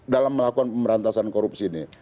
dalam melakukan pemberantasan korupsi ini